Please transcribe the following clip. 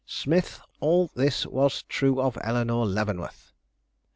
Smith, all this was true of Eleanore Leavenworth.